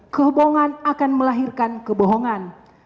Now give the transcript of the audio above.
kebohongan akan melahirkan kebohongan